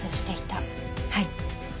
はい。